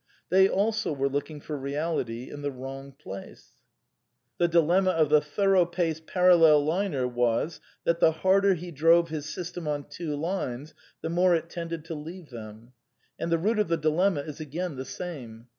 They also were looking for Reality in the wrong placer^ The dilemma of the ^^^l^jicb r""*^"^ Pflrgllpl liTirtr was that, the harder he drove his system on two lines, the more it tended to leave them. And the root of the dilenmia is again the same.